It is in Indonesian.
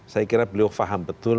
saya kira beliau faham betul